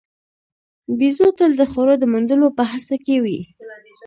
بیزو تل د خوړو د موندلو په هڅه کې وي.